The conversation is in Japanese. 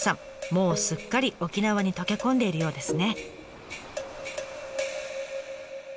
もうすっかり沖縄に溶け込んでいるようですね。